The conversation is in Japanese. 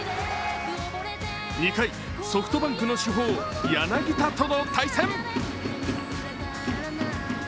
２回、ソフトバンクの主砲・柳田との対戦！